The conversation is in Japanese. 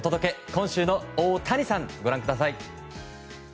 今週のオオタニさんご覧ください。